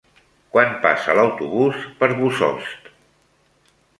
Quan passa l'autobús per Bossòst?